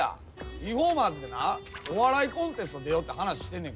リフォーマーズでなお笑いコンテスト出ようって話してんねんけど。